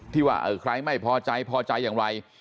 ที่แบบเออใครไม่พอใจพอใจอย่างไร